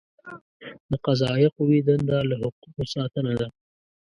د قضائیه قوې دنده له حقوقو ساتنه ده.